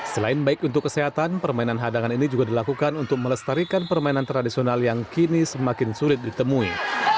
selain baik untuk kesehatan permainan hadangan ini juga dilakukan untuk melestarikan permainan tradisional yang kini semakin sulit ditemui